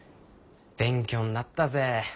勉強になったぜ。